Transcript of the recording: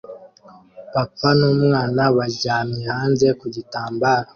Papa n'umwana baryamye hanze ku gitambaro